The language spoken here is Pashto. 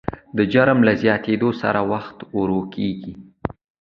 د جرم له زیاتېدو سره وخت ورو کېږي.